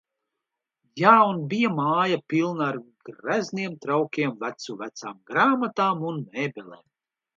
Jā un bija māja pilna ar grezniem traukiem, vecu vecām grāmatām un mēbelēm.